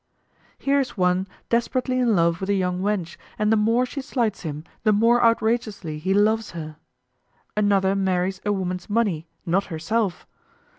Here's one desperately in love with a young wench, and the more she slights him the more outrageously he loves her. Another marries a woman's money, not herself.